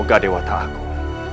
semoga dewa ta'akul